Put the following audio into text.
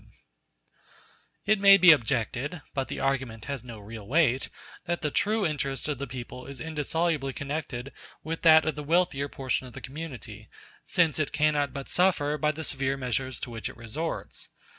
] It may be objected (but the argument has no real weight) that the true interest of the people is indissolubly connected with that of the wealthier portion of the community, since it cannot but suffer by the severe measures to which it resorts.